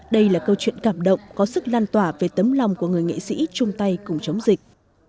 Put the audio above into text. đây là câu chuyện cảm động có sức lan tỏa về tấm lòng của người nghệ sĩ chung tay cùng chống dịch